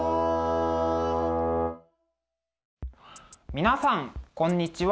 皆さんこんにちは。